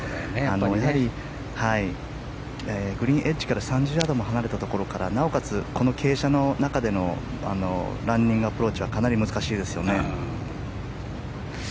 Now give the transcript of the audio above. やはり、グリーンエッジから３０ヤードも離れたところからなおかつ、この傾斜の中でのランニングアプローチはかなり難しいですよね。